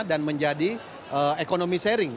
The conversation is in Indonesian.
dan menjadi economy sharing